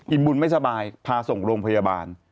บุญไม่สบายพาส่งโรงพยาบาล